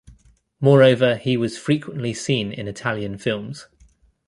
Moreover he was frequently seen in Italian films.